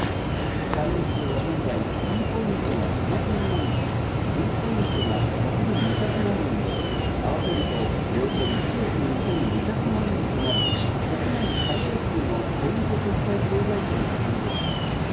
会員数は現在Ｔポイントが７０００万人、Ｖポイントが５２００万人で、合わせるとおよそ１億２２００万人となり、国内最大級のポイント決済経済圏が誕生します。